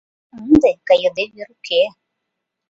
— Ынде кайыде вер уке.